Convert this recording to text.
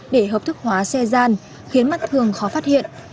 để hợp thức hóa xe gian khiến mắt thường khó phát hiện